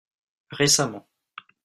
Récemment.